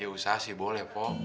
ya usaha sih boleh kok